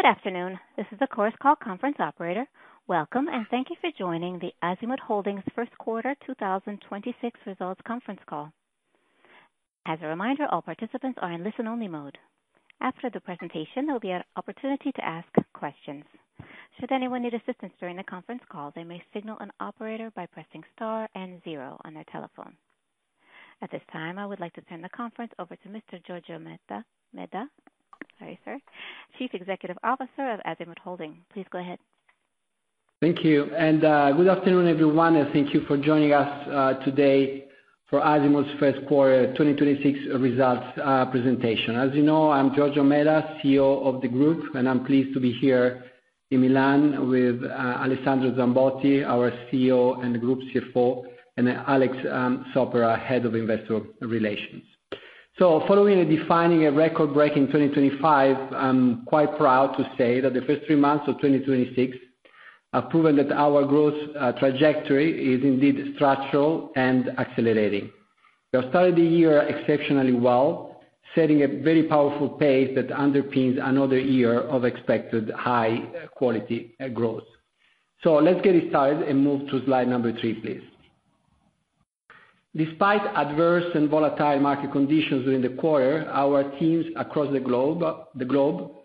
Good afternoon. This is the Chorus Call conference operator. Welcome, and thank you for joining the Azimut Holding first quarter 2026 Results Conference Call. As a reminder, all participants are in listen-only mode. After the presentation, there'll be an opportunity to ask questions. Should anyone need assistance during the conference call, they may signal an operator by pressing star and zero on their telephone. At this time, I would like to turn the conference over to Mr. Giorgio Medda, Chief Executive Officer of Azimut Holding. Please go ahead. Thank you. Good afternoon, everyone, and thank you for joining us today for Azimut's 1st quarter 2026 results presentation. As you know, I'm Giorgio Medda, CEO of the Group, and I'm pleased to be here in Milan with Alessandro Zambotti, our CEO and Group CFO, and Alex Soppera, Head of Investor Relations. Following and defining a record-breaking 2025, I'm quite proud to say that the 1st three months of 2026 have proven that our growth trajectory is indeed structural and accelerating. We have started the year exceptionally well, setting a very powerful pace that underpins another year of expected high quality growth. Let's get started and move to slide number three, please. Despite adverse and volatile market conditions during the quarter, our teams across the globe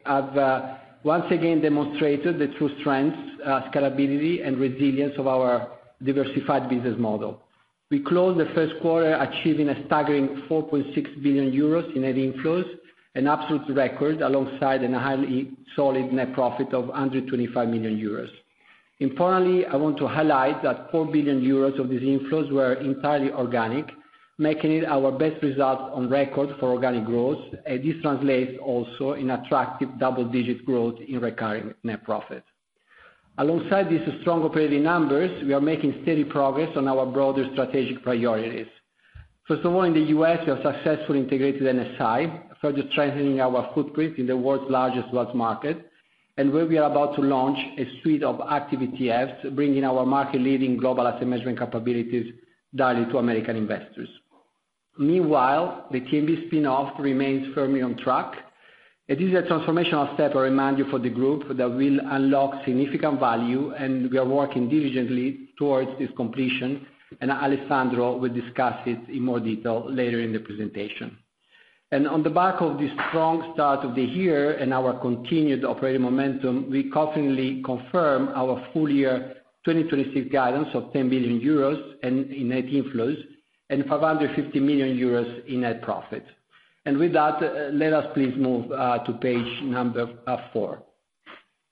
have once again demonstrated the true strength, scalability, and resilience of our diversified business model. We closed the first quarter achieving a staggering 4.6 billion euros in net inflows, an absolute record alongside a highly solid net profit of 125 million euros. Importantly, I want to highlight that 4 billion euros of these inflows were entirely organic, making it our best result on record for organic growth. This translates also in attractive double-digit growth in recurring net profit. Alongside these strong operating numbers, we are making steady progress on our broader strategic priorities. First of all, in the U.S., we have successfully integrated NSI, further strengthening our footprint in the world's largest wealth market and where we are about to launch a suite of active ETFs, bringing our market-leading global asset management capabilities directly to American investors. Meanwhile, the TNB spin-off remains firmly on track. It is a transformational step, I remind you, for the group that will unlock significant value, we are working diligently towards its completion. Alessandro will discuss it in more detail later in the presentation. On the back of this strong start of the year and our continued operating momentum, we confidently confirm our full year 2026 guidance of 10 billion euros in net inflows and 550 million euros in net profit. With that, let us please move to page number four.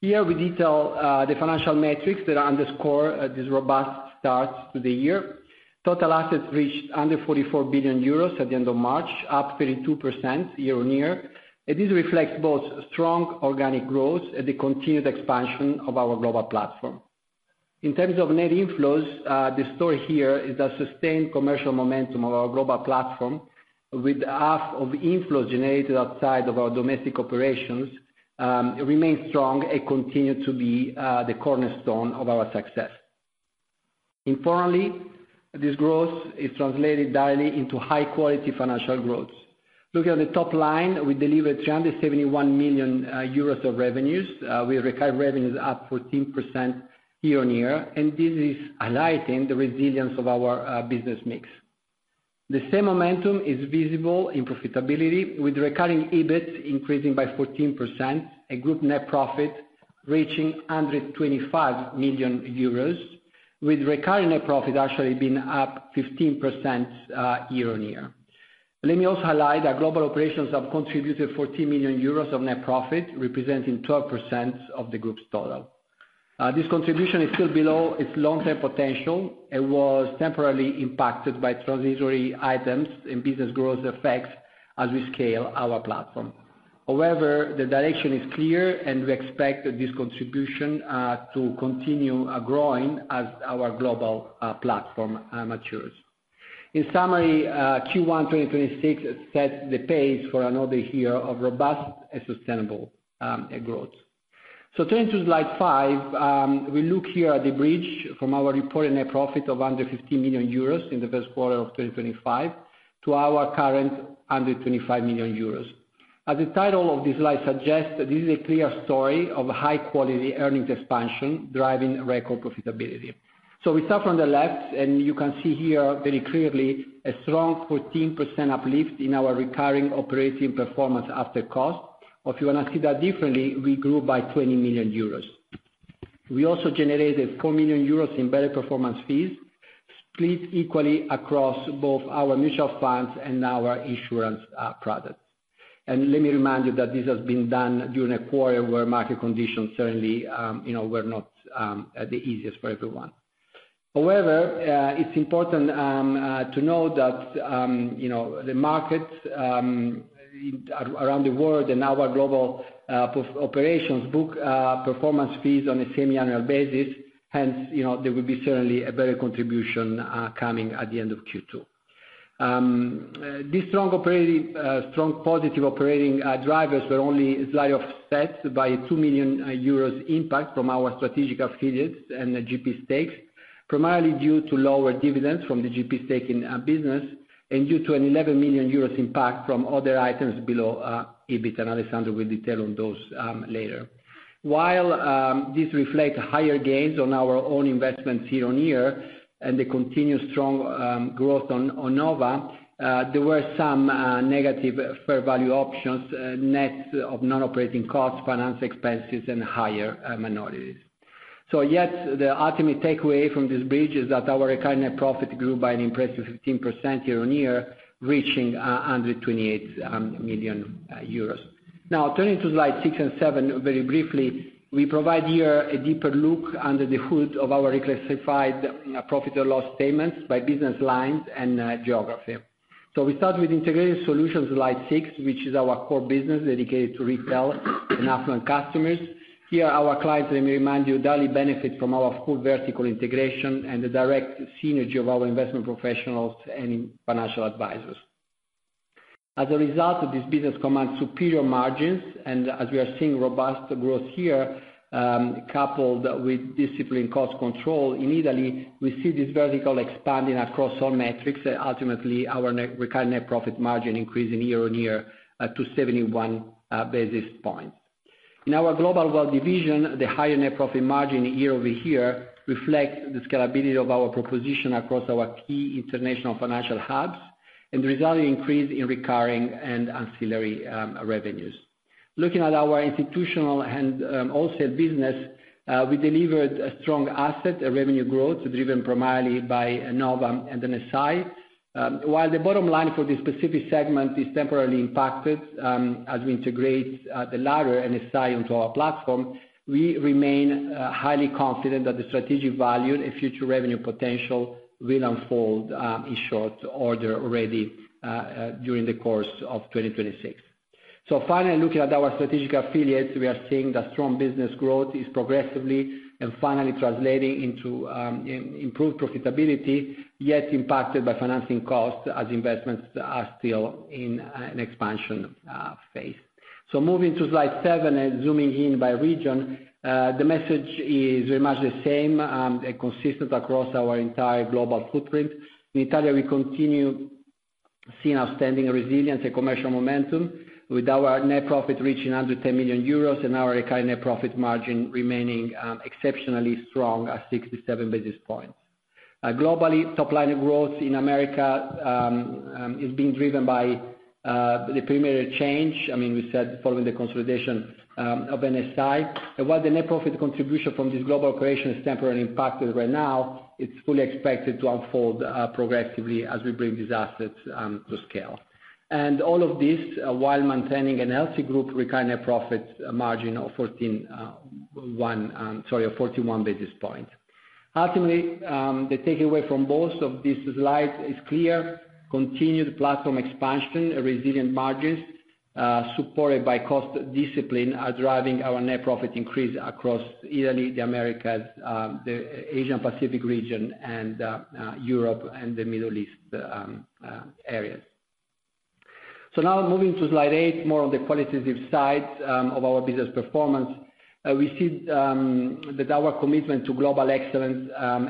Here we detail the financial metrics that underscore this robust start to the year. Total assets reached 144 billion euros at the end of March, up 32% year-on-year. This reflects both strong organic growth and the continued expansion of our global platform. In terms of net inflows, the story here is the sustained commercial momentum of our global platform with half of inflows generated outside of our domestic operations, remains strong and continue to be the cornerstone of our success. Importantly, this growth is translated directly into high-quality financial growth. Looking at the top line, we delivered 171 million euros of revenues. We recovered revenues up 14% year-on-year, and this is highlighting the resilience of our business mix. The same momentum is visible in profitability, with recurring EBIT increasing by 14%, a group net profit reaching 125 million euros, with recurring net profit actually being up 15% year-on-year. Let me also highlight that global operations have contributed 14 million euros of net profit, representing 12% of the group's total. This contribution is still below its long-term potential and was temporarily impacted by transitory items and business growth effects as we scale our platform. The direction is clear, and we expect this contribution to continue growing as our global platform matures. Q1 2026 sets the pace for another year of robust and sustainable growth. Turning to slide five, we look here at the bridge from our reported net profit of 150 million euros in the Q1 2025 to our current 125 million euros. As the title of this slide suggests, this is a clear story of high-quality earnings expansion driving record profitability. We start from the left, you can see here very clearly a strong 14% uplift in our recurring operating performance after cost. If you want to see that differently, we grew by 20 million euros. We also generated 4 million euros in better performance fees, split equally across both our mutual funds and our insurance products. Let me remind you that this has been done during a quarter where market conditions certainly, you know, were not the easiest for everyone. It's important, you know, the markets around the world and our global operations book performance fees on a semi-annual basis. You know, there will be certainly a better contribution coming at the end of Q2. These strong operating, strong positive operating drivers were only slightly offset by 2 million euros impact from our strategic affiliates and GP stakes. Primarily due to lower dividends from the GP stake in business, and due to an 11 million euros impact from other items below EBIT. Alessandro will detail on those later. This reflect higher gains on our own investments year-on-year, and the continued strong growth on Nova, there were some negative fair value options, net of non-operating costs, finance expenses, and higher minorities. Yet, the ultimate takeaway from this bridge is that our recurrent net profit grew by an impressive 15% year-on-year, reaching 128 million euros. Now turning to slide six and seven very briefly, we provide here a deeper look under the hood of our reclassified profit and loss statements by business lines and geography. We start with integrated solutions, slide six, which is our core business dedicated to retail and affluent customers. Here, our clients, let me remind you, daily benefit from our full vertical integration and the direct synergy of our investment professionals and financial advisors. As a result of this, business commands superior margins, as we are seeing robust growth here, coupled with disciplined cost control. In Italy, we see this vertical expanding across all metrics, ultimately our net, recurrent net profit margin increasing year-on-year to 71 basis points. In our global wealth division, the higher net profit margin year-over-year reflects the scalability of our proposition across our key international financial hubs, the resulting increase in recurring and ancillary revenues. Looking at our institutional and wholesale business, we delivered a strong asset, a revenue growth driven primarily by Nova and NSI. While the bottom line for this specific segment is temporarily impacted, as we integrate the latter, NSI, into our platform, we remain highly confident that the strategic value and future revenue potential will unfold in short order already during the course of 2026. Finally, looking at our strategic affiliates, we are seeing that strong business growth is progressively and finally translating into improved profitability, yet impacted by financing costs as investments are still in an expansion phase. Moving to slide seven and zooming in by region, the message is very much the same and consistent across our entire global footprint. In Italy, we continue seeing outstanding resilience and commercial momentum with our net profit reaching under 10 million euros and our recurrent net profit margin remaining exceptionally strong at 67 basis points. Globally, top line growth in America is being driven by the primary change. I mean, we said following the consolidation of NSI. While the net profit contribution from this global operation is temporarily impacted right now, it's fully expected to unfold progressively as we bring these assets to scale. All of this while maintaining an healthy group recurrent net profit margin of 41 basis points. Ultimately, the takeaway from both of these slides is clear. Continued platform expansion, resilient margins, supported by cost discipline are driving our net profit increase across Italy, the Americas, the Asian Pacific region and Europe and the Middle East areas. Now moving to slide eight, more on the qualitative side of our business performance. We see that our commitment to global excellence,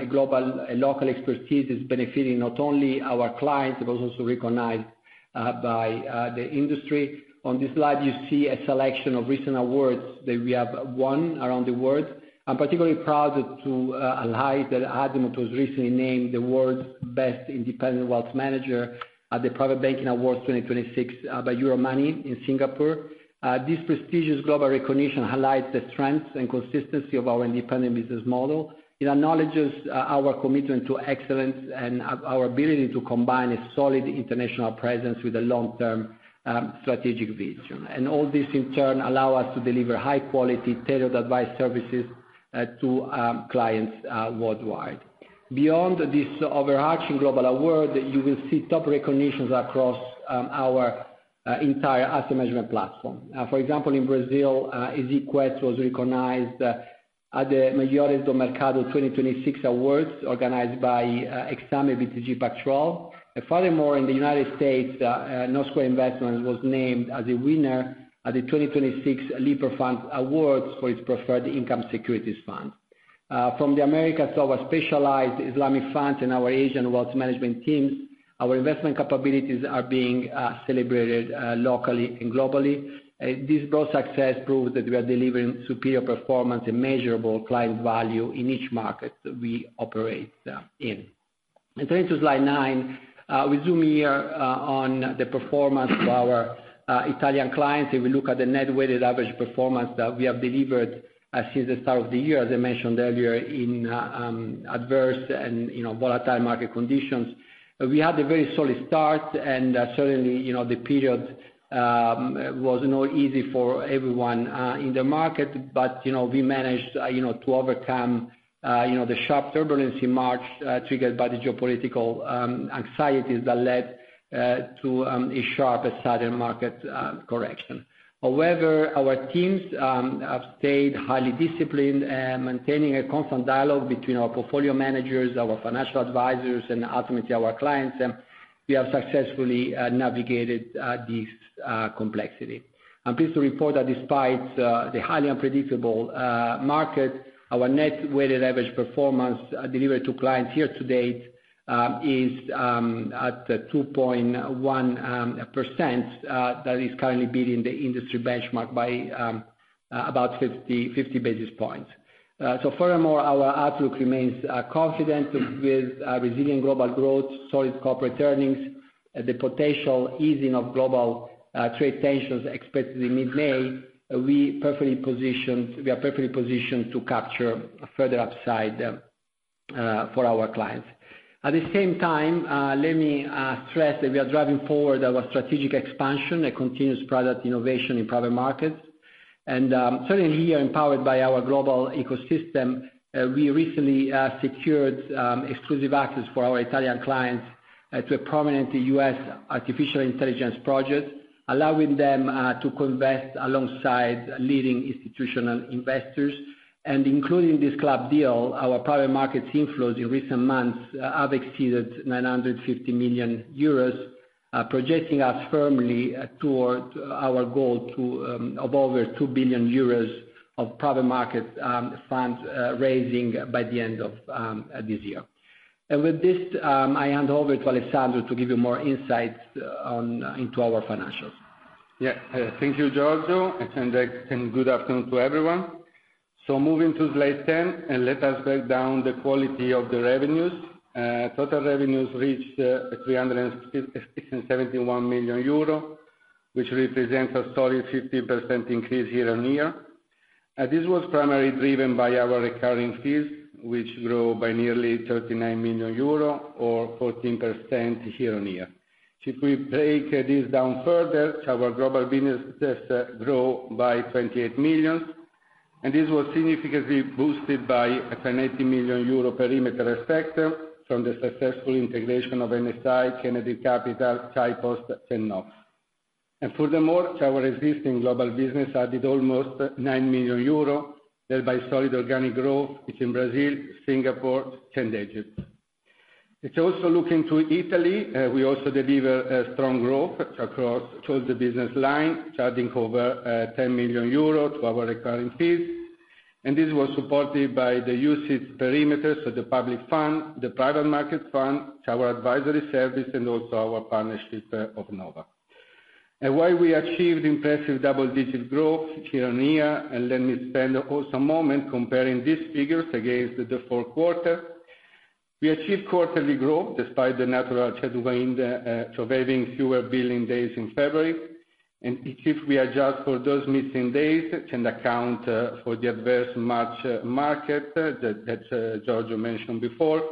global and local expertise is benefiting not only our clients, but was also recognized by the industry. On this slide, you see a selection of recent awards that we have won around the world. I'm particularly proud to highlight that Azimut was recently named the world's best independent wealth manager at the Private Banking Awards 2026 by Euromoney in Singapore. This prestigious global recognition highlights the strength and consistency of our independent business model. It acknowledges our commitment to excellence and our ability to combine a solid international presence with a long-term strategic vision. All this in turn allow us to deliver high-quality, tailored advice services to clients worldwide. Beyond this overarching global award, you will see top recognitions across our entire asset management platform. For example, in Brazil, AZ Quest was recognized at the Maiores do Mercado 2026 awards organized by Exame BTG Pactual. Furthermore, in the U.S., North Square Investments was named as a winner at the 2026 LSEG Lipper Fund Awards for its Preferred and Income Securities Fund. From the Americas to our specialized Islamic funds and our Asian wealth management teams, our investment capabilities are being celebrated locally and globally. This broad success proves that we are delivering superior performance and measurable client value in each market that we operate in. Turning to slide nine, we zoom in here on the performance of our Italian clients. If we look at the net weighted average performance that we have delivered, since the start of the year, as I mentioned earlier, in adverse and, you know, volatile market conditions. We had a very solid start, certainly, you know, the period was not easy for everyone in the market. You know, we managed, you know, to overcome, you know, the sharp turbulence in March, triggered by the geopolitical anxieties that led to a sharp, a sudden market correction. However, our teams have stayed highly disciplined, maintaining a constant dialogue between our portfolio managers, our financial advisors, and ultimately our clients, we have successfully navigated this complexity. I'm pleased to report that despite the highly unpredictable market, our net weighted average performance delivered to clients year to date is at 2.1%, that is currently beating the industry benchmark by 50 basis points. Furthermore, our outlook remains confident with resilient global growth, solid corporate earnings, and the potential easing of global trade tensions expected in mid-May. We are perfectly positioned to capture a further upside for our clients. At the same time, let me stress that we are driving forward our strategic expansion and continuous product innovation in private markets. Certainly here, empowered by our global ecosystem, we recently secured exclusive access for our Italian clients to a prominent U.S. artificial intelligence project, allowing them to co-invest alongside leading institutional investors. Including this club deal, our private markets inflows in recent months have exceeded 950 million euros, projecting us firmly toward our goal of over 2 billion euros of private market funds raising by the end of this year. With this, I hand over to Alessandro to give you more insights into our financials. Yeah. Thank you, Giorgio, and good afternoon to everyone. Moving to slide 10, let us break down the quality of the revenues. Total revenues reached 371 million euro, which represents a solid 50% increase year-on-year. This was primarily driven by our recurring fees, which grew by nearly 39 million euro or 14% year-on-year. If we break this down further, our global business just grew by 28 million, and this was significantly boosted by a 30 million euro perimeter effect from the successful integration of Sanctuary Wealth, Kennedy Capital Management, HighPost Capital, and Knox Capital. Furthermore, our existing global business added almost 9 million euro, led by solid organic growth in Brazil, Singapore, and Egypt. It is also looking to Italy. We also delivered a strong growth across all the business line, charging over 10 million euros to our recurring fees. This was supported by the usage parameters of the public fund, the private market fund, our advisory service, and also our partnership of Nova. While we achieved impressive double-digit growth year-on-year, let me spend also a moment comparing these figures against the fourth quarter. We achieved quarterly growth despite the natural challenge of surviving fewer billing days in February. If we adjust for those missing days and account for the adverse March market that Giorgio mentioned before,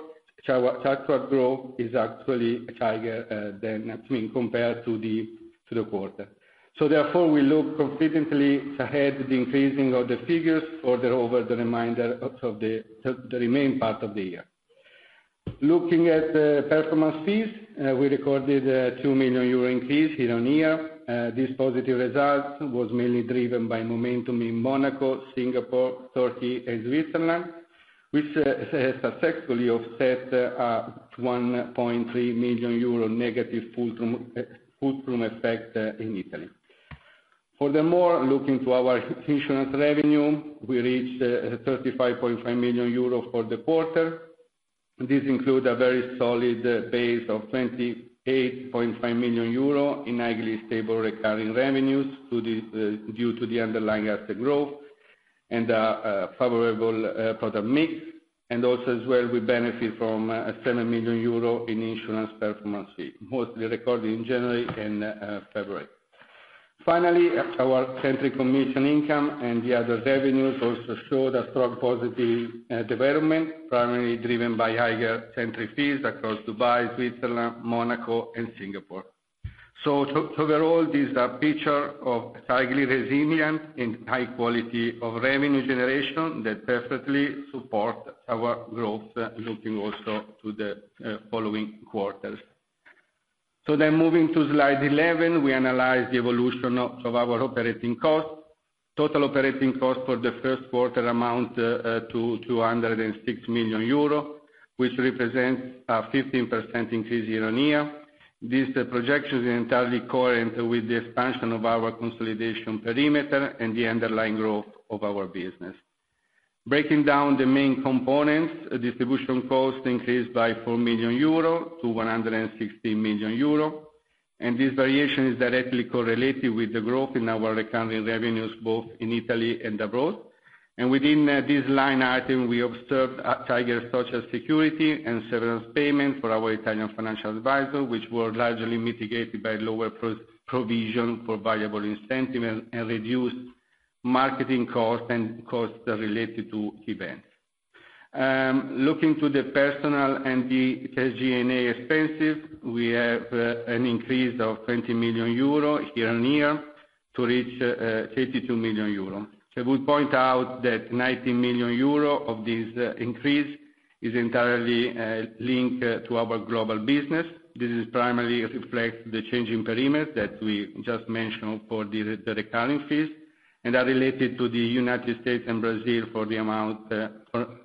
our outward growth is actually higher than when compared to the quarter. Therefore, we look confidently ahead the increasing of the figures further over the remaining part of the year. Looking at the performance fees, we recorded a 2 million euro increase year-on-year. This positive result was mainly driven by momentum in Monaco, Singapore, Turkey, and Switzerland, which successfully offset 1.3 million euro negative fulcrum effect in Italy. Furthermore, looking to our insurance revenue, we reached 35.5 million euro for the quarter. This includes a very solid base of 28.5 million euro in highly stable recurring revenues due to the underlying asset growth and favorable product mix. Also as well, we benefit from 7 million euro in insurance performance fee, mostly recorded in January and February. Finally, our entry commission income and the other revenues also showed a strong positive development, primarily driven by higher entry fees across Dubai, Switzerland, Monaco, and Singapore. Overall, this is a picture of highly resilient and high quality of revenue generation that perfectly support our growth, looking also to the following quarters. Moving to slide 11, we analyze the evolution of our operating costs. Total operating costs for the first quarter amount to 206 million euro, which represents a 15% increase year-on-year. This projection is entirely coherent with the expansion of our consolidation perimeter and the underlying growth of our business. Breaking down the main components, distribution costs increased by 4 million euro to 116 million euro. This variation is directly correlated with the growth in our recurring revenues, both in Italy and abroad. Within this line item, we observed a higher social security and severance payment for our Italian financial advisor, which were largely mitigated by lower pro-provision for variable incentive and reduced marketing costs and costs related to events. Looking to the personal and the SG&A expenses, we have an increase of 20 million euro year-on-year to reach 32 million euro. I would point out that 19 million euro of this increase is entirely linked to our global business. This is primarily reflect the change in perimeter that we just mentioned for the recurring fees and are related to the U.S. and Brazil for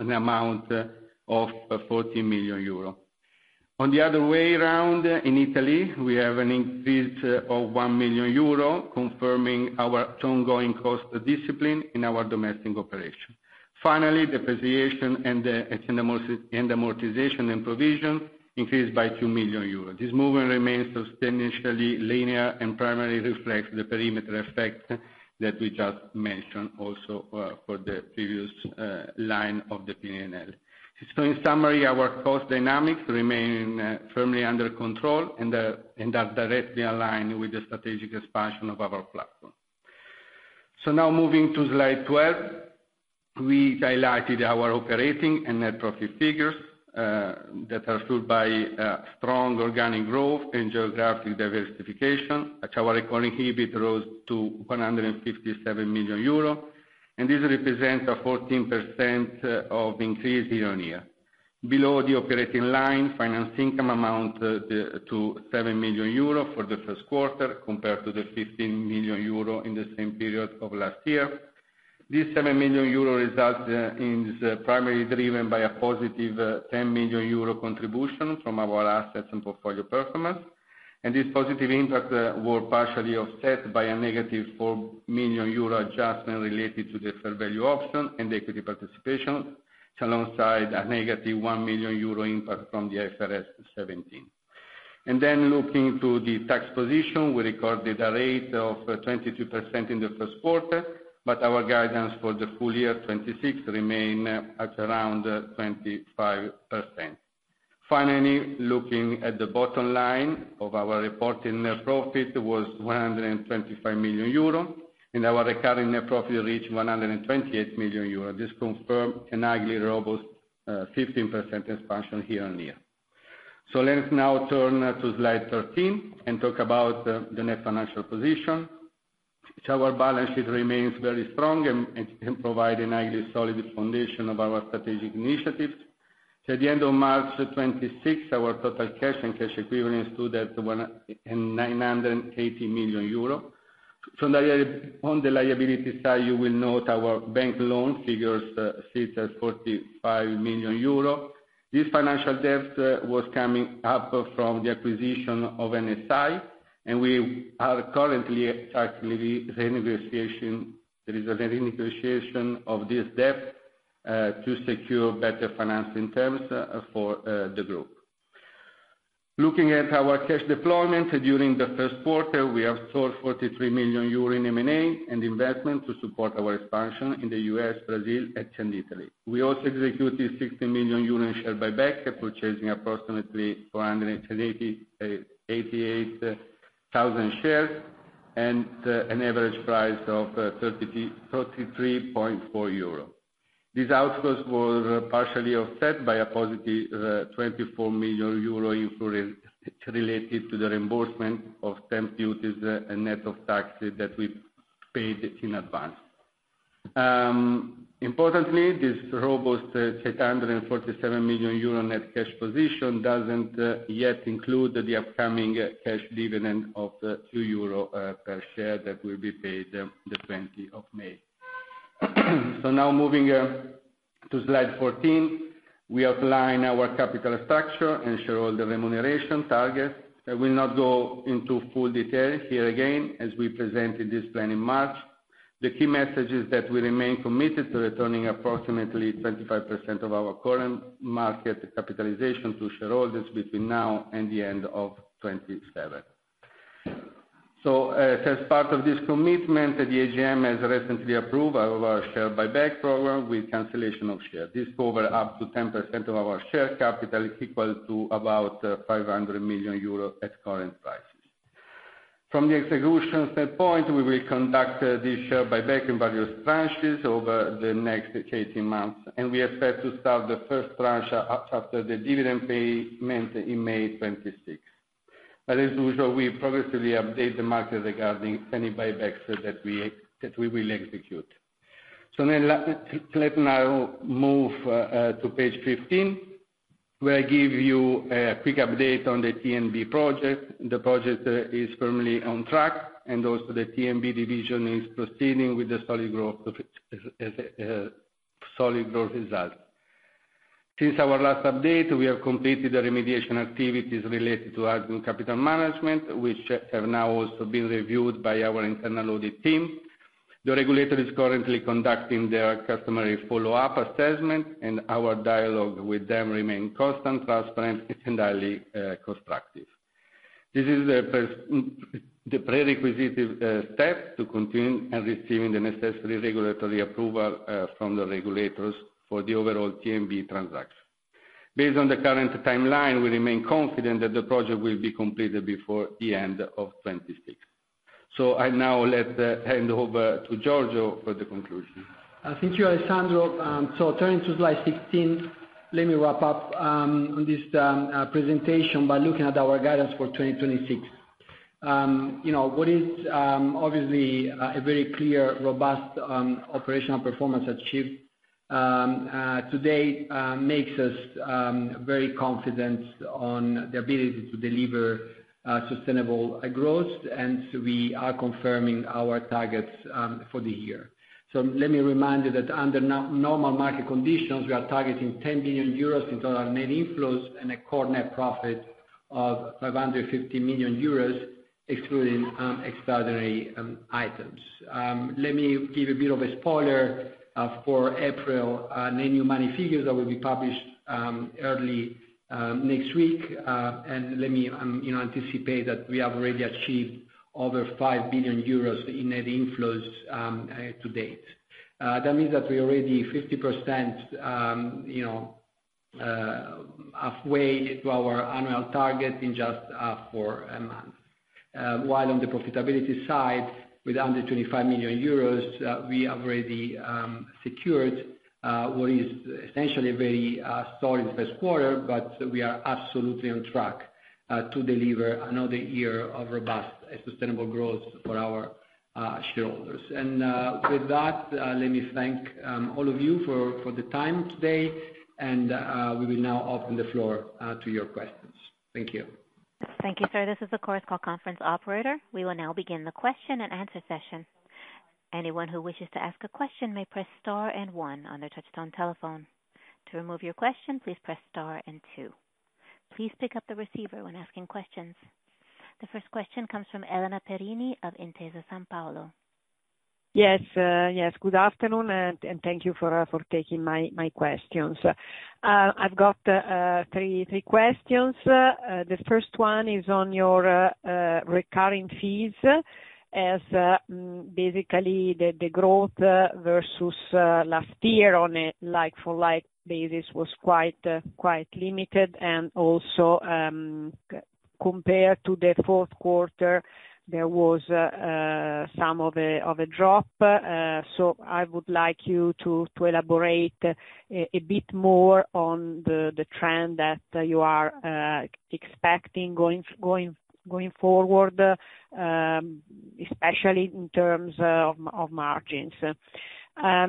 an amount of 14 million euro. On the other way around, in Italy, we have an increase of 1 million euro, confirming our ongoing cost discipline in our domestic operation. Depreciation and amortization and provision increased by 2 million euros. This movement remains substantially linear and primarily reflects the perimeter effect that we just mentioned also, for the previous line of the P&L. In summary, our cost dynamics remain firmly under control and are directly aligned with the strategic expansion of our platform. Now moving to slide 12, we highlighted our operating and net profit figures that are fueled by strong organic growth and geographic diversification, which our recording EBIT rose to 157 million euro, and this represents a 14% of increase year-on-year. Below the operating line, finance income amount to 7 million euro for the first quarter compared to 15 million euro in the same period of last year. This 7 million euro result is primarily driven by a positive 10 million euro contribution from our assets and portfolio performance. This positive impact were partially offset by a negative 4 million euro adjustment related to the fair value option and equity participation, alongside a negative 1 million euro impact from the IFRS 17. Looking to the tax position, we recorded a rate of 22% in the first quarter, but our guidance for the full year 2026 remain at around 25%. Finally, looking at the bottom line of our reported net profit was 125 million euro, and our recurring net profit reached 128 million euro. This confirms an highly robust, 15% expansion year-on-year. Let us now turn to slide 13 and talk about the net financial position. Our balance sheet remains very strong and providing highly solid foundation of our strategic initiatives. At the end of March 26th, our total cash and cash equivalents stood at 980 million euro. On the liability side, you will note our bank loan figures sits at 45 million euro. This financial debt was coming up from the acquisition of NSI, and we are currently starting the renegotiation. There is a renegotiation of this debt to secure better financing terms for the group. Looking at our cash deployment during the first quarter, we absorbed 43 million euro in M&A and investment to support our expansion in the U.S., Brazil and Italy. We also executed 60 million euros share buyback, purchasing approximately 488,000 shares at an average price of 33.4 euro. This outpost was partially offset by a positive 24 million euro inflow related to the reimbursement of stamp duties, net of taxes that we paid in advance. Importantly, this robust 747 million euro net cash position doesn't yet include the upcoming cash dividend of 2 euro per share that will be paid the 20th of May. Now moving to slide 14, we outline our capital structure and shareholder remuneration target. I will not go into full detail here again, as we presented this plan in March. The key message is that we remain committed to returning approximately 25% of our current market capitalization to shareholders between now and the end of 2027. As part of this commitment, the AGM has recently approved our share buyback program with cancellation of shares. This cover up to 10% of our share capital, equal to about 500 million euros at current prices. From the execution standpoint, we will conduct this share buyback in various tranches over the next 18 months, and we expect to start the first tranche after the dividend payment in May 2026. As usual, we progressively update the market regarding any buybacks that we will execute. Let's now move to page 15, where I give you a quick update on the TNB project. The project is firmly on track, and also the TNB division is proceeding with the solid growth of solid growth result. Since our last update, we have completed the remediation activities related to our group capital management, which have now also been reviewed by our internal audit team. The regulator is currently conducting their customary follow-up assessment, and our dialogue with them remain constant, transparent, and highly constructive. This is the prerequisite step to continue and receiving the necessary regulatory approval from the regulators for the overall TNB transaction. Based on the current timeline, we remain confident that the project will be completed before the end of 2026. I now let hand over to Giorgio for the conclusion. Thank you, Alessandro. Turning to slide 16, let me wrap up on this presentation by looking at our guidance for 2026. You know, what is obviously a very clear, robust operational performance achieved today, makes us very confident on the ability to deliver sustainable growth, and we are confirming our targets for the year. Let me remind you that under normal market conditions, we are targeting 10 billion euros in total net inflows and a core net profit of Of 550 million euros, excluding extraordinary items. Let me give a bit of a spoiler for April net new money figures that will be published early next week. Let me, you know, anticipate that we have already achieved over 5 billion euros in net inflows to date. That means that we already 50%, you know, halfway to our annual target in just for a month. While on the profitability side, with under 25 million euros, we have already secured what is essentially a very solid first quarter, but we are absolutely on track to deliver another year of robust and sustainable growth for our shareholders. With that, let me thank all of you for the time today and, we will now open the floor to your questions. Thank you. Thank you, sir. This is the Chorus Call conference operator. We will now begin the question and answer session. Anyone who wishes to ask a question may press star and one on their touchtone telephone. To remove your question, please press star and two. Please pick up the receiver when asking questions. The first question comes from Elena Perini of Intesa Sanpaolo. Yes. Yes, good afternoon, thank you for taking my questions. I've got three questions. The first one is on your recurring fees as basically the growth versus last year on a like-for-like basis was quite limited. Also, compared to the fourth quarter, there was some of a drop. I would like you to elaborate a bit more on the trend that you are expecting going forward, especially in terms of margins. I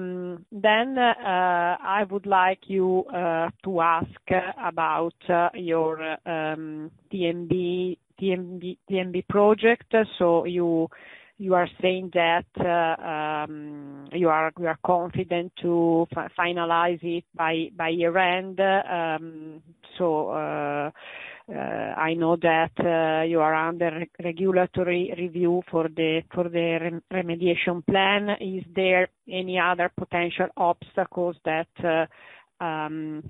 would like you to ask about your TNB project. You are saying that you are confident to finalize it by year-end. I know that you are under re-regulatory review for the remediation plan. Is there any other potential obstacles that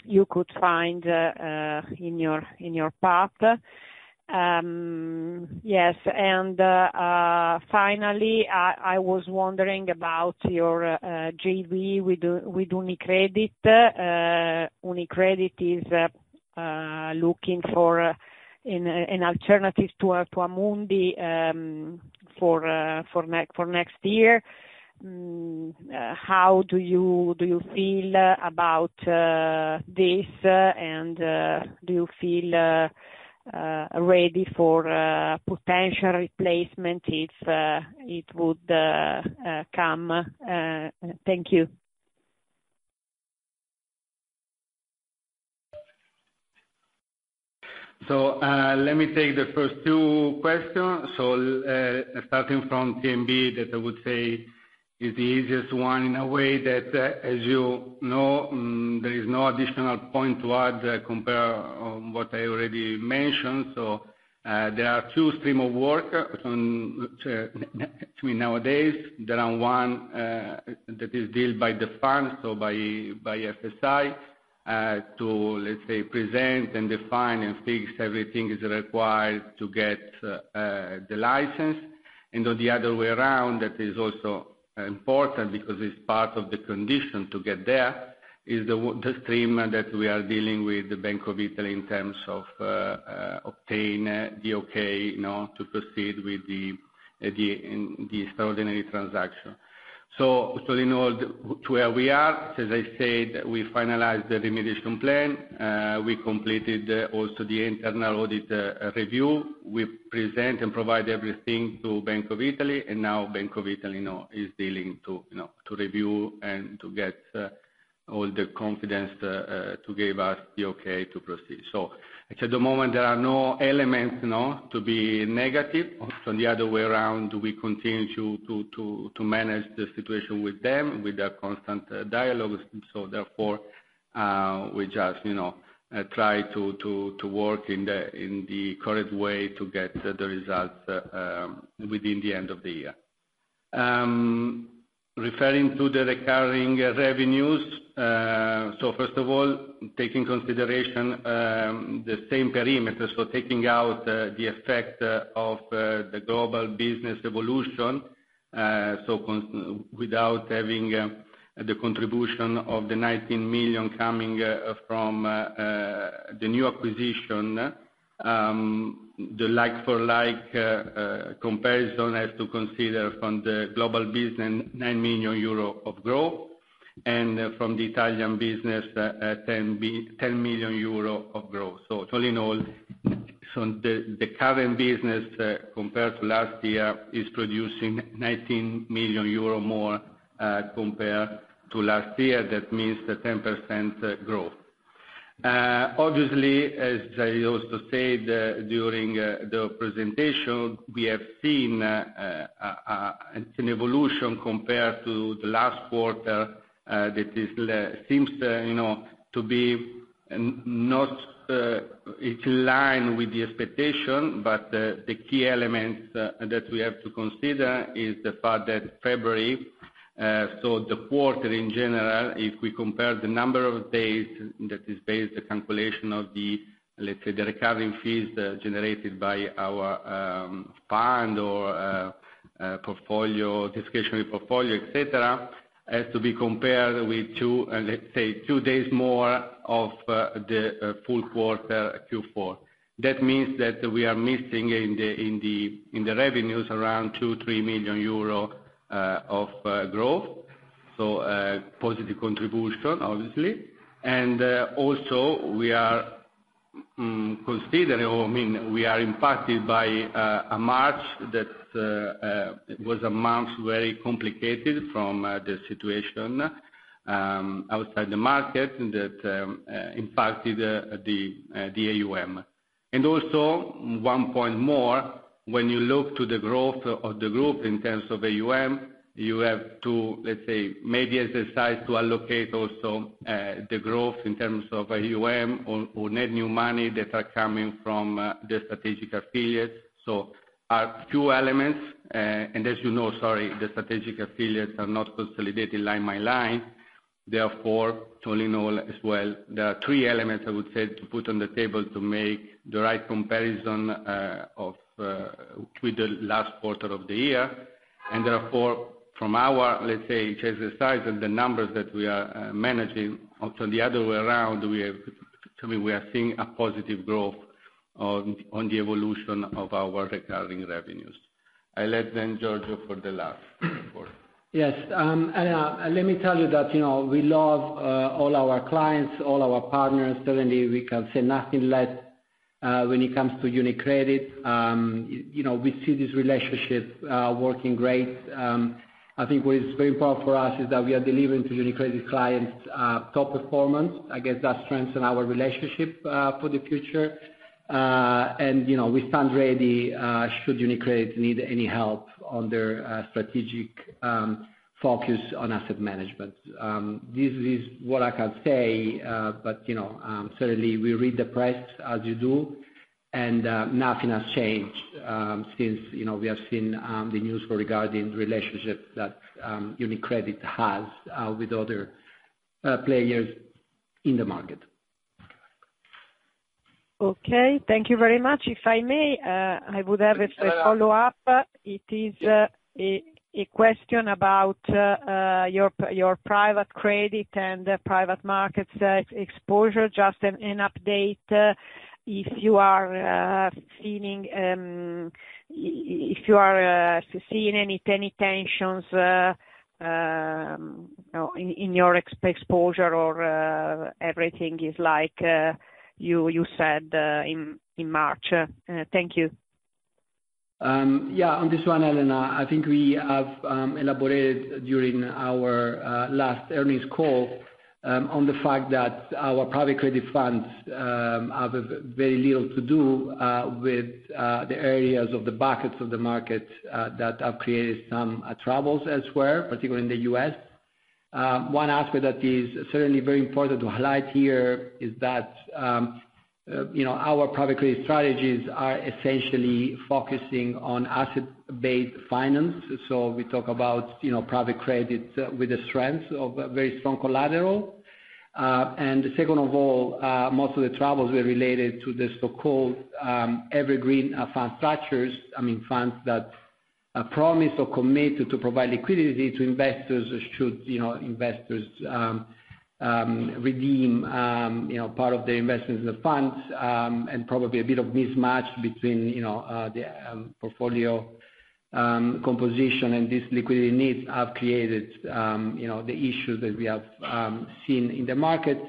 you could find in your path? Finally, I was wondering about your JV with UniCredit. UniCredit is looking for an alternative to Amundi for next year. How do you feel about this and do you feel ready for potential replacement if it would come? Thank you. Let me take the first two questions. Starting from TNB, that I would say is the easiest one in a way that, as you know, there is no additional point to add compare what I already mentioned. There are two streams of work on between nowadays. There is one that is dealt by the fund, so by FSI, to let's say present and define and fix everything is required to get the license. On the other way around, that is also important because it is part of the condition to get there, is the stream that we are dealing with the Bank of Italy in terms of obtain the okay, you know, to proceed with the extraordinary transaction. In all to where we are, as I said, we finalized the remediation plan. We completed also the internal audit review. We present and provide everything to Banca d'Italia, and now Banca d'Italia now is dealing to, you know, review and get all the confidence to give us the okay to proceed. At the moment, there are no elements, you know, to be negative. On the other way around, we continue to manage the situation with them with a constant dialogue. Therefore, we just, you know, try to work in the correct way to get the results within the end of the year. Referring to the recurring revenues. First of all, taking consideration the same parameters for taking out the effect of the global business evolution. Without having the contribution of 19 million coming from the new acquisition. The like-for-like comparison has to consider from the global business 9 million euro of growth, and from the Italian business, 10 million euro of growth. All in all, the current business compared to last year is producing 19 million euro more compared to last year. That means the 10% growth. Obviously, as I also said during the presentation, we have seen, it's an evolution compared to the last quarter, that seems, you know, to be not, it's in line with the expectation. The key elements that we have to consider is the fact that February, so the quarter in general, if we compare the number of days that is based, the calculation of the, let's say, the recurring fees generated by our fund or portfolio, discretionary portfolio, et cetera, has to be compared with two, let's say two days more of the full quarter Q4. That means that we are missing in the revenues around 2 million-3 million euro of growth. Positive contribution obviously. Also we are considering or, I mean, we are impacted by a March that was a month very complicated from the situation outside the market and that impacted the AUM. One point more, when you look to the growth of the group in terms of AUM, you have to, let's say, maybe exercise to allocate also the growth in terms of AUM on net new money that are coming from the strategic affiliates. Are two elements. As you know, sorry, the strategic affiliates are not consolidated line by line. All in all as well, there are three elements, I would say, to put on the table to make the right comparison of with the last quarter of the year. From our, let's say, exercise and the numbers that we are managing. The other way around, we are seeing a positive growth on the evolution of our recurring revenues. I let Giorgio for the last report. Yes. Let me tell you that, you know, we love all our clients, all our partners. Certainly we can say nothing less when it comes to UniCredit. You know, we see this relationship working great. I think what is very important for us is that we are delivering to UniCredit clients top performance. I guess that strengthen our relationship for the future. You know, we stand ready should UniCredit need any help on their strategic focus on asset management. This is what I can say, you know, certainly we read the press as you do, and nothing has changed since, you know, we have seen the news regarding relationships that UniCredit has with other players in the market. Okay. Thank you very much. If I may, I would have a follow up. It is a question about your private credit and private markets exposure. Just an update if you are feeling, if you are seeing any tensions, you know, in your exposure or everything is like you said in March? Thank you. Yeah, on this one, Elena, I think we have elaborated during our last earnings call, on the fact that our private credit funds, have very little to do, with the areas of the buckets of the markets, that have created some troubles elsewhere, particularly in the U.S. One aspect that is certainly very important to highlight here is that, you know, our private credit strategies are essentially focusing on asset-based finance. We talk about, you know, private credits with the strength of a very strong collateral. Second of all, most of the troubles were related to the so-called evergreen fund structures. I mean, funds that promise or commit to provide liquidity to investors should, you know, investors redeem, you know, part of their investments in the funds. Probably a bit of mismatch between, you know, the portfolio composition. These liquidity needs have created, you know, the issues that we have seen in the market.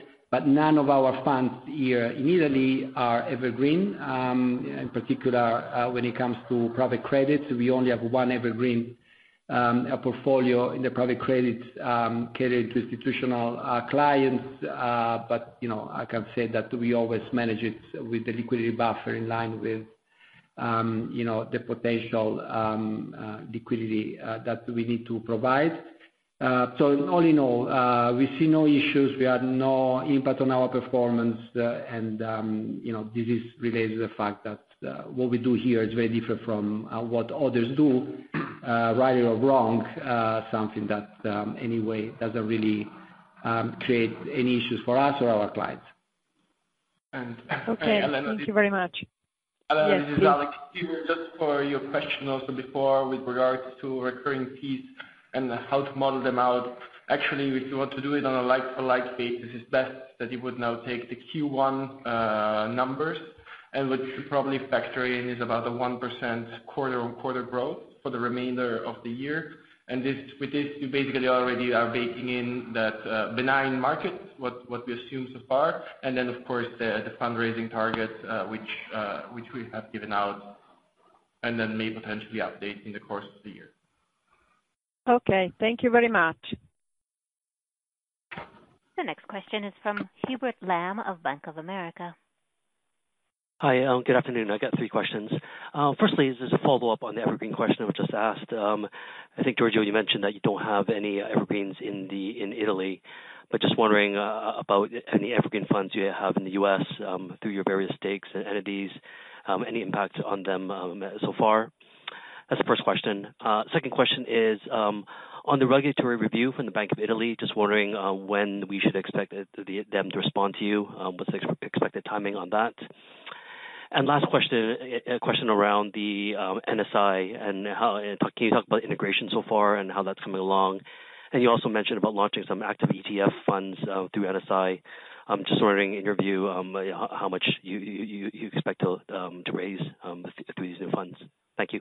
None of our funds here in Italy are evergreen. In particular, when it comes to private credit, we only have one evergreen portfolio in the private credit catered to institutional clients. You know, I can say that we always manage it with the liquidity buffer in line with, you know, the potential liquidity that we need to provide. All in all, we see no issues. We have no impact on our performance. You know, this is related to the fact that what we do here is very different from what others do, right or wrong, something that anyway, doesn't really create any issues for us or our clients. Okay. Thank you very much. Elena Perini. Yes, please. Elena, this is Alex here. Just for your question also before with regards to recurring fees and how to model them out. Actually, if you want to do it on a like-for-like basis, it's best that you would now take the Q1 numbers and what you should probably factor in is about a 1% quarter-on-quarter growth for the remainder of the year. This, with this, you basically already are baking in that benign market, what we assume so far. Then of course, the fundraising target, which we have given out, then may potentially update in the course of the year. Okay, thank you very much. The next question is from Hubert Lam of Bank of America. Hi, good afternoon. I got three questions. Firstly, is this a follow-up on the Evergreen question I just asked. I think, Giorgio, you mentioned that you don't have any Evergreens in the, in Italy, but just wondering about any Evergreen funds you have in the U.S., through your various stakes and entities, any impact on them so far? That's the first question. Second question is on the regulatory review from the Banca d'Italia, just wondering when we should expect them to respond to you. What's the expected timing on that? Last question, a question around the NSI and how Can you talk about integration so far and how that's coming along? You also mentioned about launching some active ETF funds through NSI. Just wondering in your view, how much you expect to raise through these new funds? Thank you.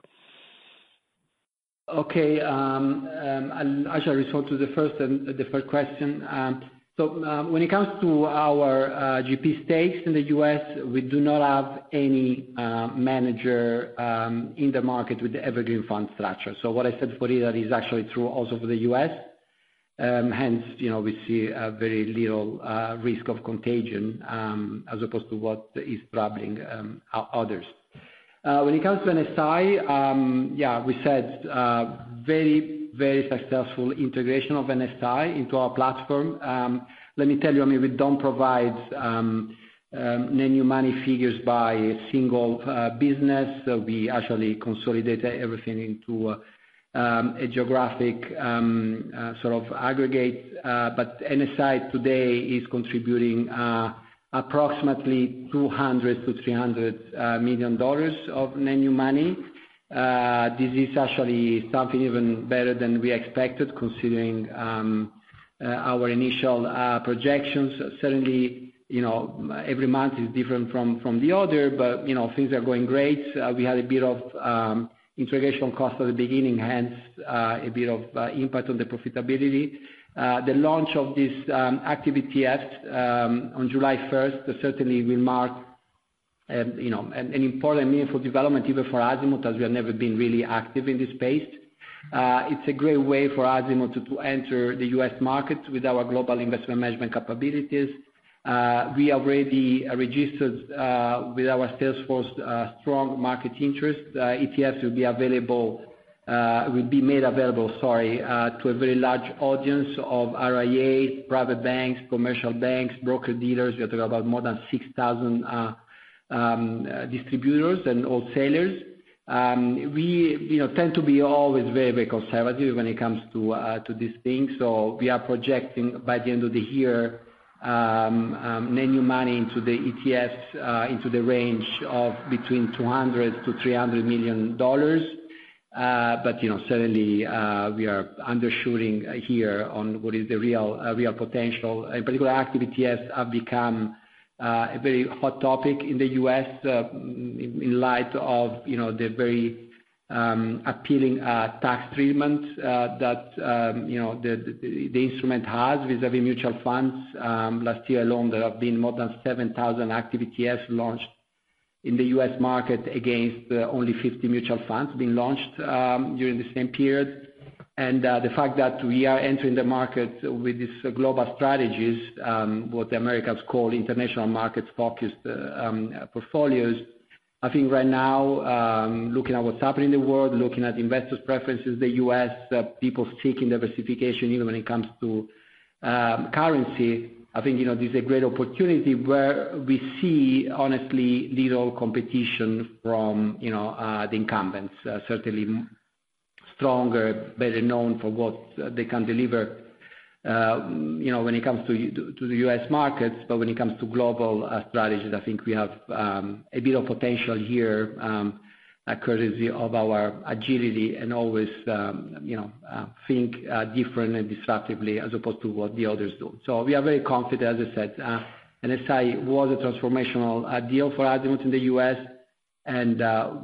Okay. I shall respond to the first question. When it comes to our GP stakes in the U.S., we do not have any manager in the market with the Evergreen fund structure. What I said for Italy is actually true also for the U.S. We see a very little risk of contagion as opposed to what is troubling others. When it comes to NSI, we said very successful integration of NSI into our platform. Let me tell you, we don't provide net new money figures by single business. We actually consolidate everything into a geographic sort of aggregate. NSI today is contributing approximately $200 million to $300 million of net new money. This is actually something even better than we expected, considering our initial projections. Certainly, you know, every month is different from the other, but, you know, things are going great. We had a bit of integration cost at the beginning, hence a bit of impact on the profitability. The launch of this Active ETF on July 1st, certainly will mark, you know, an important mile for development, even for Azimut, as we have never been really active in this space. It's a great way for Azimut to enter the U.S. market with our global investment management capabilities. We already registered with our sales force strong market interest. ETFs will be available, will be made available, sorry, to a very large audience of RIAs, private banks, commercial banks, broker-dealers. We are talking about more than 6,000 distributors and wholesalers. We, you know, tend to be always very, very conservative when it comes to these things. We are projecting by the end of the year, net new money into the ETFs, into the range of between $200 million-$300 million. You know, certainly, we are undershooting here on what is the real potential. In particular, Active ETFs have become a very hot topic in the U.S., in light of, you know, the very appealing tax treatment that, you know, the instrument has vis-a-vis mutual funds. Last year alone, there have been more than 7,000 Active ETFs launched in the U.S. market against only 50 mutual funds being launched during the same period. The fact that we are entering the market with this global strategies, what the Americans call international markets focused portfolios. I think right now, looking at what's happening in the world, looking at investors preferences, the U.S. people seeking diversification, even when it comes to currency, I think, you know, this is a great opportunity where we see honestly little competition from, you know, the incumbents. Certainly stronger, better known for what they can deliver, you know, when it comes to the U.S. markets. When it comes to global strategies, I think we have a bit of potential here, courtesy of our agility and always, you know, think different and disruptively as opposed to what the others do. We are very confident. As I said, NSI was a transformational deal for Azimut in the U.S., and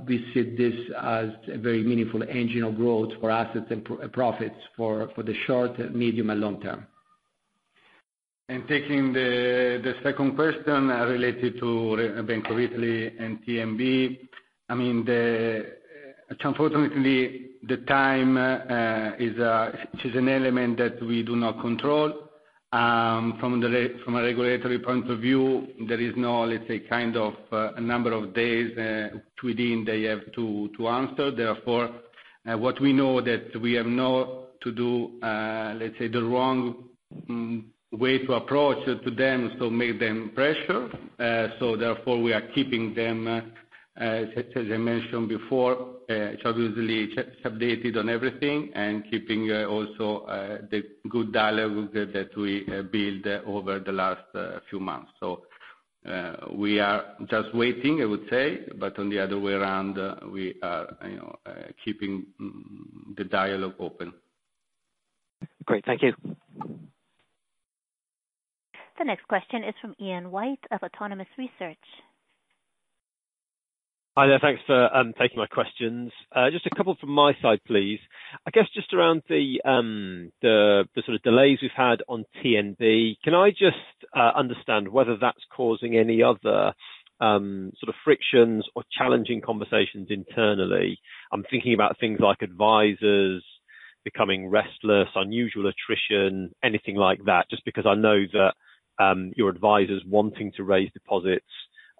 we see this as a very meaningful engine of growth for assets and profits for the short, medium and long term. Taking the second question related to Bank of Italy and TNB. I mean, the Unfortunately, the time is an element that we do not control. From a regulatory point of view, there is no, let's say, kind of a number of days within they have to answer. What we know that we have now to do, let's say, the wrong way to approach to them to make them pressure. Therefore, we are keeping them, as I mentioned before, continuously updated on everything and keeping also the good dialogue that we build over the last few months. We are just waiting, I would say, but on the other way around, we are, you know, keeping the dialogue open. Great. Thank you. The next question is from Ian White of Autonomous Research. Hi there. Thanks for taking my questions. Just a couple from my side, please. I guess just around the sort of delays we've had on TNB. Can I just understand whether that's causing any other sort of frictions or challenging conversations internally. I'm thinking about things like advisors becoming restless, unusual attrition, anything like that, just because I know that your advisors wanting to raise deposits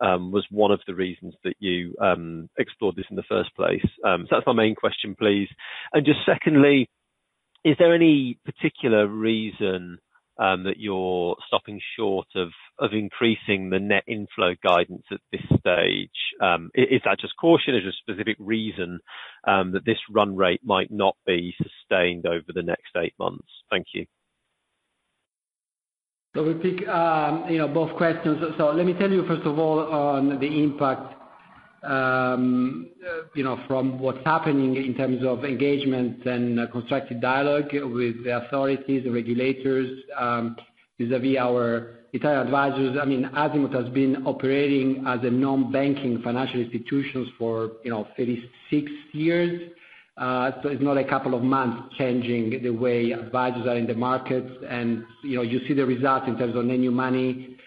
was one of the reasons that you explored this in the first place. That's my main question, please. Just secondly, is there any particular reason that you're stopping short of increasing the net inflow guidance at this stage? Is that just caution or is there a specific reason that this run rate might not be sustained over the next eight months? Thank you. We pick, you know, both questions. Let me tell you, first of all, on the impact, you know, from what's happening in terms of engagement and constructive dialogue with the authorities, the regulators, vis-à-vis our entire advisors. I mean, Azimut has been operating as a non-banking financial institutions for, you know, 36 years. It's not a couple of months changing the way advisors are in the markets. You know, you see the results in terms of net new money.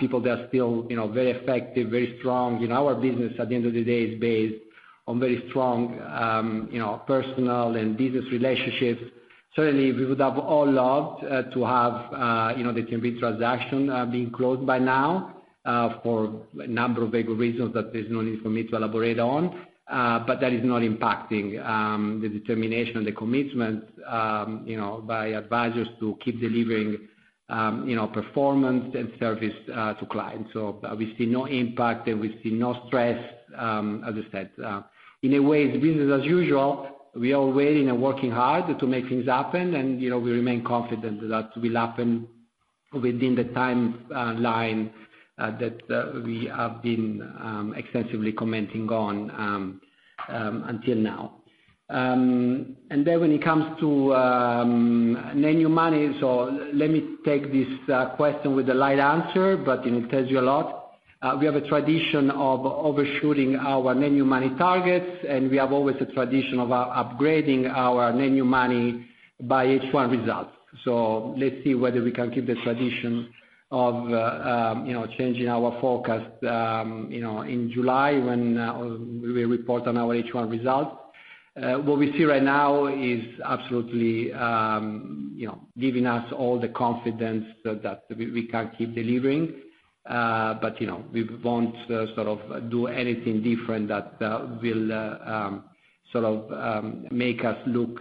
People, they are still, you know, very effective, very strong. You know, our business, at the end of the day, is based on very strong, you know, personal and business relationships. Certainly, we would have all loved, you know, the TNB transaction being closed by now, for a number of legal reasons that there's no need for me to elaborate on. That is not impacting, the determination, the commitment, you know, by advisors to keep delivering, you know, performance and service to clients. We see no impact, and we see no stress, as I said. In a way, it's business as usual. We are waiting and working hard to make things happen. You know, we remain confident that will happen within the timeline that we have been extensively commenting on until now. When it comes to net new money, let me take this question with a light answer, but it tells you a lot. We have a tradition of overshooting our net new money targets, and we have always a tradition of upgrading our net new money by H1 results. Let's see whether we can keep the tradition of, you know, changing our forecast, you know, in July when we will report on our H1 results. What we see right now is absolutely, you know, giving us all the confidence that we can keep delivering. You know, we won't sort of do anything different that will sort of make us look,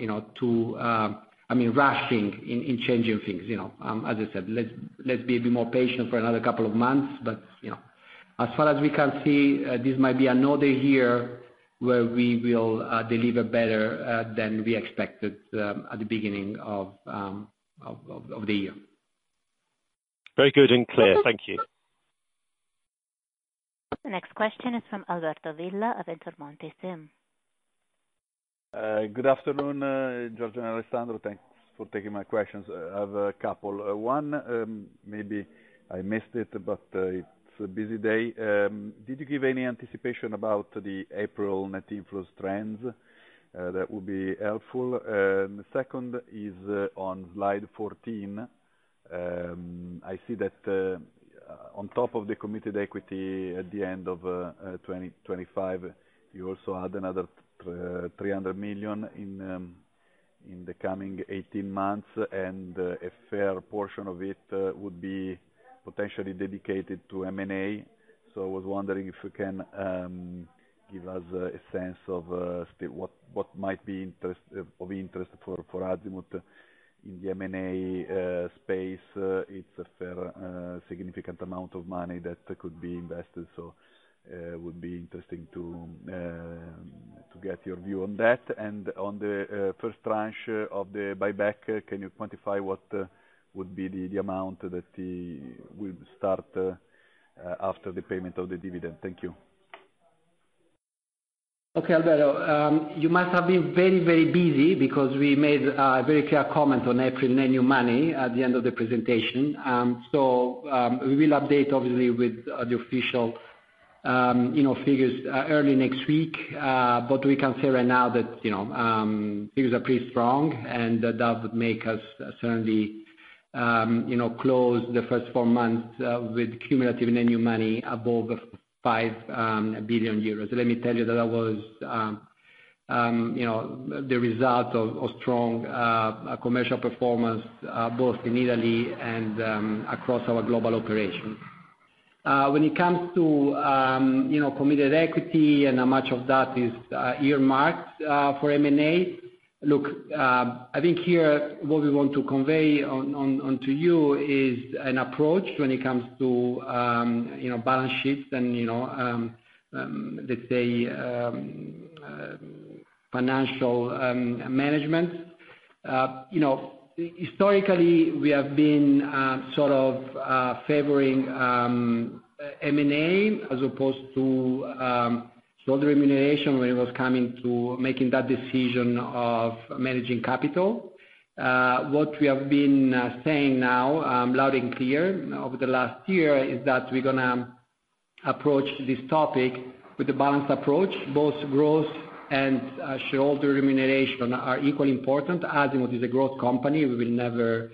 you know, too, I mean, rushing in changing things, you know. As I said, let's be a bit more patient for another couple of months. You know, as far as we can see, this might be another year where we will deliver better than we expected at the beginning of the year. Very good and clear. Thank you. The next question is from Alberto Villa of Intermonte SIM. Good afternoon, Giorgio and Alessandro. Thanks for taking my questions. I have a couple. One, maybe I missed it, but it's a busy day. Did you give any anticipation about the April net inflows trends that would be helpful? The second is on slide 14. I see that on top of the committed equity at the end of 2025, you also add another 300 million in the coming 18 months, and a fair portion of it would be potentially dedicated to M&A. I was wondering if you can give us a sense of still what might be of interest for Azimut in the M&A space. It's a fair, significant amount of money that could be invested. It would be interesting to get your view on that. On the first tranche of the buyback, can you quantify what would be the amount that will start after the payment of the dividend? Thank you. Okay, Alberto. You must have been very, very busy because we made a very clear comment on April net new money at the end of the presentation. We will update obviously with the official figures early next week. We can say right now that things are pretty strong, and that would make us certainly close the first four months with cumulative net new money above 5 billion euros. Let me tell you that that was the result of strong commercial performance both in Italy and across our global operations. When it comes to committed equity and how much of that is earmarked for M&A. Look, I think here what we want to convey to you is an approach when it comes to balance sheets and financial management. Historically, we have been sort of favoring M&A as opposed to shareholder remuneration when it was coming to making that decision of managing capital. What we have been saying now loud and clear over the last year is that we're going to approach this topic with a balanced approach. Both growth and shareholder remuneration are equally important. Azimut is a growth company. We will never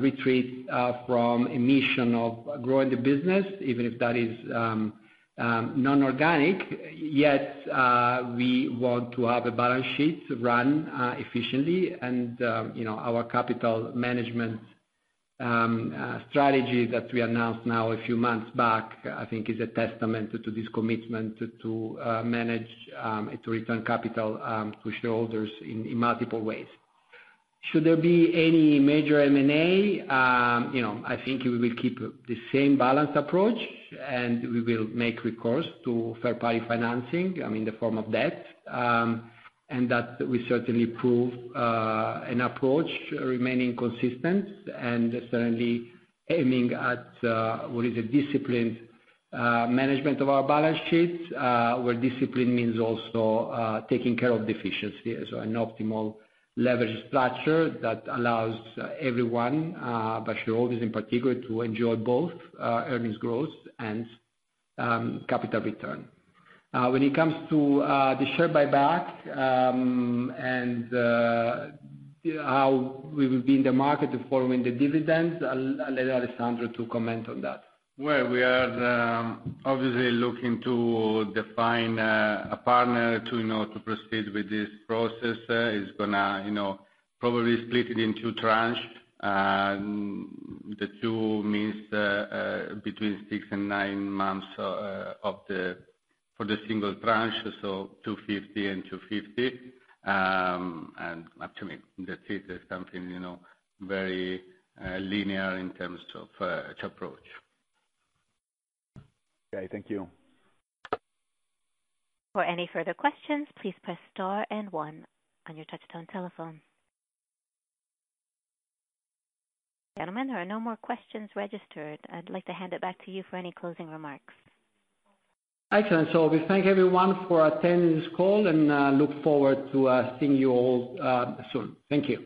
retreat from a mission of growing the business, even if that is non-organic. We want to have a balance sheet run efficiently and, you know, our capital management strategy that we announced now a few months back, I think is a testament to this commitment to manage and to return capital to shareholders in multiple ways. Should there be any major M&A, I think we will keep the same balanced approach, and we will make recourse to third-party financing, I mean, in the form of debt, and that we certainly prove an approach remaining consistent and certainly aiming at what is a disciplined management of our balance sheet, where discipline means also taking care of efficiency. An optimal leverage structure that allows everyone, but shareholders in particular, to enjoy both earnings growth and capital return. When it comes to the share buyback, and how we will be in the market following the dividends, I'll let Alessandro to comment on that. We are obviously looking to define a partner to, you know, to proceed with this process. It's gonna, you know, probably split it in two tranche. The two means between six and nine months for the single tranche, so 250 and 250, and up to me. That is something, you know, very linear in terms of to approach. Okay, thank you. Gentlemen, there are no more questions registered. I'd like to hand it back to you for any closing remarks. Excellent. We thank everyone for attending this call, and look forward to seeing you all soon. Thank you.